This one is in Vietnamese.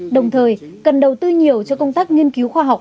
đồng thời cần đầu tư nhiều cho công tác nghiên cứu khoa học